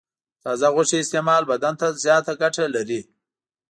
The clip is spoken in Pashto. د تازه غوښې استعمال بدن ته زیاته ګټه لري.